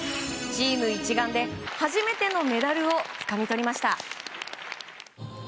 チーム一丸で初めてのメダルをつかみ取りました。